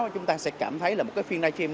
chúng ta sẽ cảm thấy là một cái phiên livestream